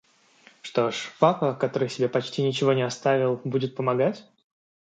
Что ж, папа, который себе почти ничего не оставил, будет помогать?